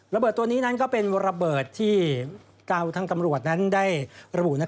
ตัวนี้นั้นก็เป็นระเบิดที่ทางตำรวจนั้นได้ระบุ